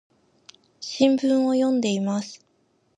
新聞を読んでいます。